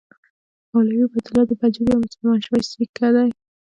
مولوي عبیدالله د پنجاب یو مسلمان شوی سیکه دی.